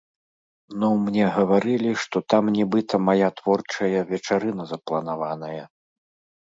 Ну, мне гаварылі, што там нібыта мая творчая вечарына запланаваная.